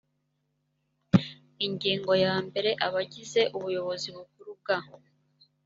ingingo ya mbere abagize ubuyobozi bukuru bwa